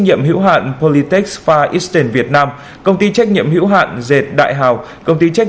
nhiệm hữu hạn politex far eastern việt nam công ty trách nhiệm hữu hạn dệt đại hào công ty trách